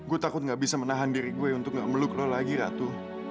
gue takut gak bisa menahan diri gue untuk gak meluk lo lagi ratu